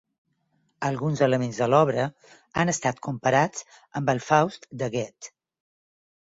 Alguns elements de l'obra han estat comparats amb el "Faust" de Goethe.